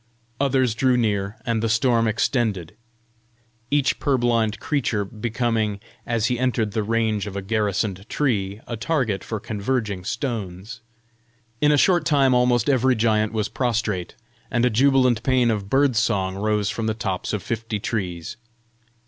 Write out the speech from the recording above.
Others drew near, and the storm extended, each purblind creature becoming, as he entered the range of a garrisoned tree, a target for converging stones. In a short time almost every giant was prostrate, and a jubilant pæan of bird song rose from the tops of fifty trees.